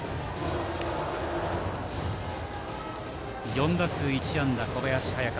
４打数１安打の小林隼翔。